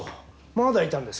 まだいたんですか。